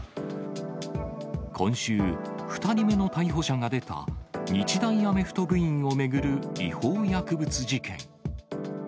今週、２人目の逮捕者が出た日大アメフト部員を巡る違法薬物事件。